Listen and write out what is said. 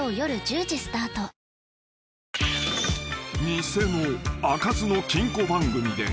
［偽の開かずの金庫番組で］